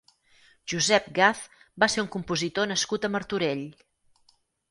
Josep Gaz va ser un compositor nascut a Martorell.